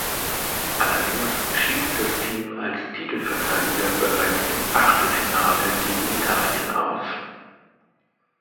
Allerdings schied das Team als Titelverteidiger bereits im Achtelfinale gegen Italien aus.